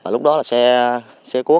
lúc đó là xe cuốt